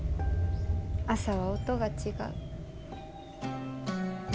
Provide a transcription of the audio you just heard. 朝は音が違う。